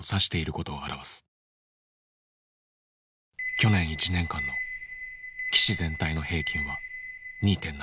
去年一年間の棋士全体の平均は２．７。